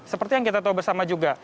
seperti yang kita tahu bersama juga